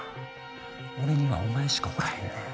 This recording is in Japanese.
俺にはお前しかおらへんねん。